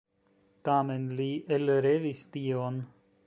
Tamen li elrevis tion.